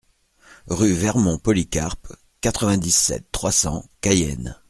Rue Vermont Polycarpe, quatre-vingt-dix-sept, trois cents Cayenne